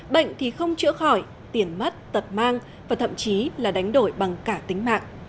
bệnh thì không chữa khỏi tiền mất tật mang và thậm chí là đánh đổi bằng cả tính mạng